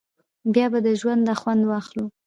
بیا به د ژونده خوند واخلی.